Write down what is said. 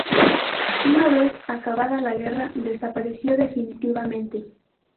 Una vez acabada la guerra desapareció definitivamente.